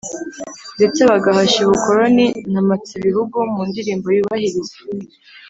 ndetse bagahashya ubukoroni na mpatsibihugu. mu ndirimbo yubahiriza